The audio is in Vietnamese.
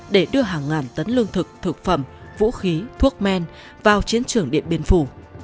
để đưa hàng ngàn tấn lương thực thực phẩm vũ khí thuốc men vào chiến trường điện biên phủ